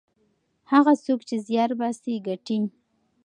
هغه څوک چې زیار باسي ګټي.